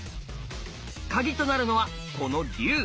カギとなるのはこの龍！